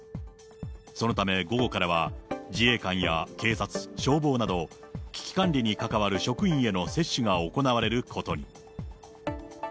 そのため、午後からは自衛官や警察、消防など危機管理に関わる職員への接種が行われることに。